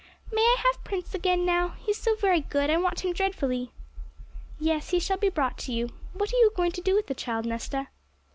'May I have Prince again now? He's so very good. I want him dreadfully.' 'Yes, he shall be brought to you. What are you going to do with the child, Nesta?'